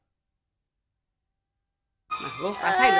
nah lu rasain tuh